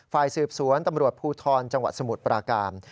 ฝ่ายสืบสวนตำรวจภูทรจังหวัดสมุทรปราการ